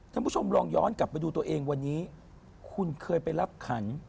ท่านผู้ชมลองย้อนกลับไปดูตัวเองวันนี้คุณเคยไปรับขัน